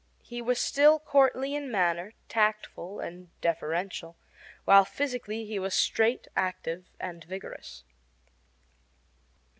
He was still courtly in manner, tactful, and deferential, while physically he was straight, active, and vigorous.